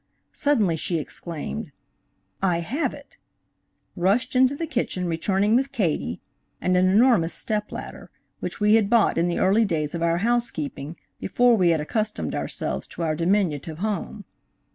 Suddenly she exclaimed: "I have it," rushed into the kitchen returning with Katie and an enormous step ladder, which we had bought in the early days of our housekeeping be fore we had accustomed ourselves to our diminutive home.